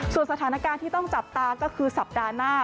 ส่วนสถานการณ์ที่ต้องจับตาก็คือสัปดาห์หน้า